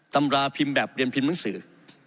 ตำราพิมพ์แบบเรียนพิมพ์หนังสือ